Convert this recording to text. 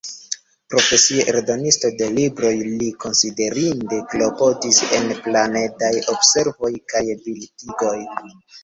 Profesie eldonisto de libroj, li konsiderinde klopodis en planedaj observoj kaj bildigoj.